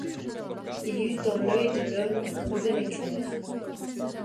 Il y eut dans l’œil de l’homme un nouvel éclair.